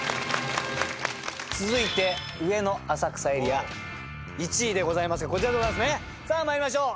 続いて上野・浅草エリア１位でございますがこちらでございますねさぁまいりましょう。